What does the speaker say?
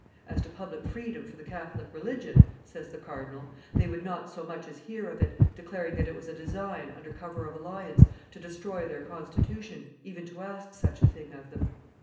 "As to public freedom for the Catholic religion," says the cardinal, "they would not so much as hear of it, declaring that it was a deaign, under cover of alliance, to destroy their constitution even to ask such a thing of them."